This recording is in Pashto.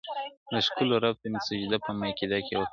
د ښکلو رب ته مي سجده په ميکده کي وکړه